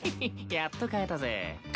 やっと買えたぜ。